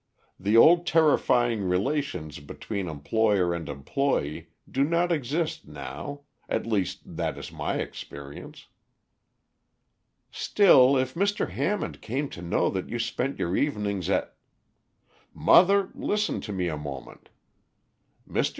The old terrifying relations between employer and employee do not exist now at least, that is my experience." "Still if Mr. Hammond came to know that you spent your evenings at " "Mother, listen to me a moment. Mr.